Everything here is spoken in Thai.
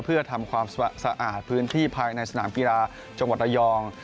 เพื่อทำความสะอาดพื้นที่ภายในสนามกีฬาจังหวัดระยอง